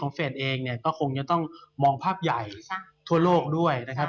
ก็คงจะต้องมองภาพใหญ่ทั่วโลกด้วยนะครับ